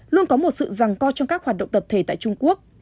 luôn có một sự ràng co trong các hoạt động tập thể tại trung quốc